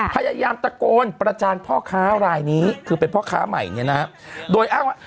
พยายามตะโกนประจานพ่อค้ารายนี้คือเป็นพ่อค้าใหม่เนี่ยนะฮะโดยอ้างว่า